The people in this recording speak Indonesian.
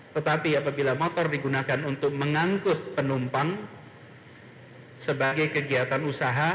tetapi apabila motor digunakan untuk mengangkut penumpang sebagai kegiatan usaha